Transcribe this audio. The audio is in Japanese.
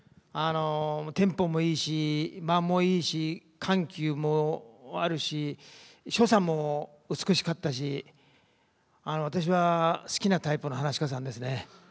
テンポもいいし間もいいし緩急もあるし所作も美しかったし私は好きなタイプの噺家さんですね。